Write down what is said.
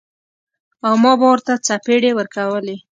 او ما به ورته څپېړې ورکولې.